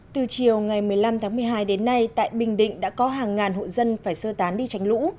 từ chiều ngày một mươi năm tháng một mươi hai đến nay tại bình định đã có hàng ngàn hộ dân phải sơ tán đi tránh lũ